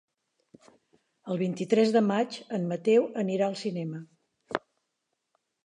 El vint-i-tres de maig en Mateu anirà al cinema.